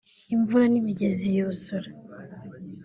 imvura n’imigezi y’uzura